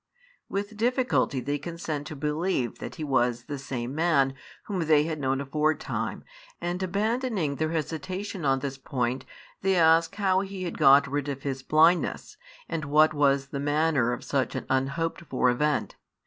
With difficulty they consent to believe that he was the |22 same man whom they had known aforetime, and abandoning their hesitation on this point, they ask how he had got rid of his blindness, and what was the manner of such an unhoped for event.